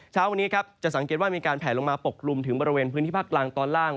เช้าวันนี้ครับจะสังเกตว่ามีการแผลลงมาปกกลุ่มถึงบริเวณพื้นที่ภาคกลางตอนล่าง